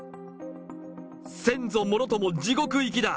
先祖もろとも地獄行きだ。